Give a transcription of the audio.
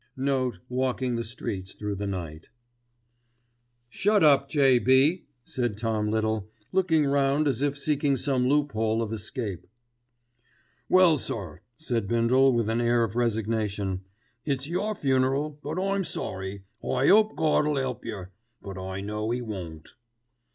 '"Walking the streets through the night "Shut up, J.B.," said Tom Little, looking round as if seeking some loophole of escape. "Well, sir," said Bindle with an air of resignation, "it's your funeral, but I'm sorry, I 'ope Gawd'll 'elp yer; but I know 'e won't."